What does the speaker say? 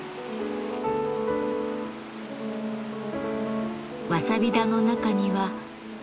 わさび田の中には砂。